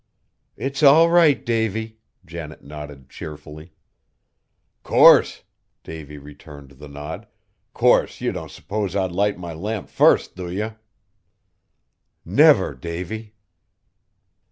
"It's all right, Davy," Janet nodded cheerfully. "Course!" Davy returned the nod; "course, ye don't s'pose I'd light my lamp fust, do ye?" "Never, Davy!"